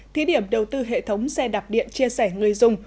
thí điểm đầu tư hệ thống xe đạp điện chia sẻ người dùng